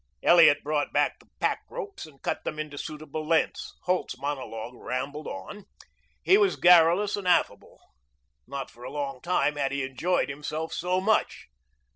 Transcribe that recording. '" Elliot brought back the pack ropes and cut them into suitable lengths. Holt's monologue rambled on. He was garrulous and affable. Not for a long time had he enjoyed himself so much.